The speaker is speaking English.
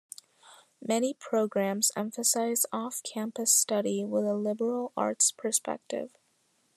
Many programs emphasize off-campus study with a liberal arts perspective.